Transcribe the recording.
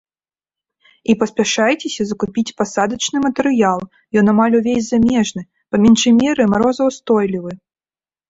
І паспяшайцеся закупіць пасадачны матэрыял, ён амаль увесь замежны, па меншай меры марозаўстойлівы.